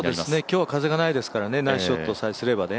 今日は風がないのでナイスショットさえすればね。